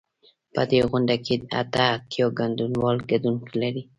په دې غونډه کې اته اتیا ګډونوال ګډون لري.